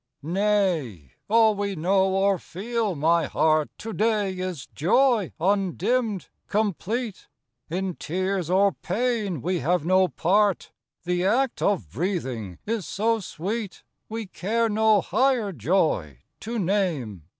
Nay! all we know, or feel, my heart, To day is joy undimmed, complete; In tears or pain we have no part; The act of breathing is so sweet, We care no higher joy to name.